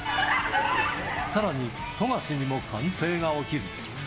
さらに、富樫にも歓声が起きる。